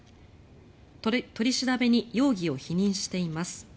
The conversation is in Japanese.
取り調べに容疑を否認しています。